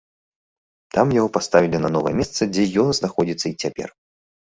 Там яго паставілі на новае месца, дзе ён знаходзіцца і цяпер.